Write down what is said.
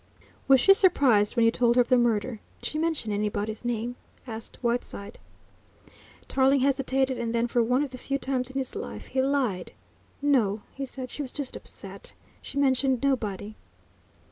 "Was she surprised when you told her of the murder? Did she mention anybody's name?" asked Whiteside. Tarling hesitated, and then, for one of the few times in his life, he lied. "No," he said, "she was just upset ... she mentioned nobody."